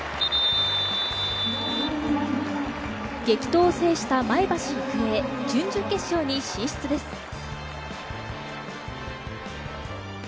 激闘を制した前橋育英、準々決勝に進出です。